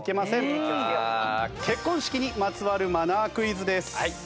結婚式にまつわるマナークイズです。